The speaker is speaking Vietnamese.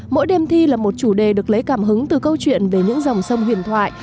mỗi đêm thi là một chủ đề được lấy cảm hứng từ câu chuyện về những dòng sông huyền thoại